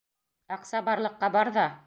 Аҡса барлыҡҡа бар ҙа.